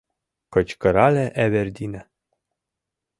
— кычкырале Эвердина.